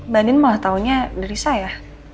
bandin malah taunya dari saya